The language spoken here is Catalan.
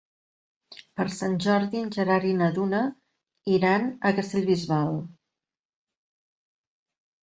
Per Sant Jordi en Gerard i na Duna iran a Castellbisbal.